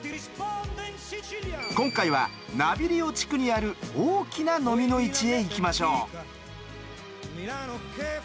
今回はナビリオ地区にある大きなノミの市へ行きましょう。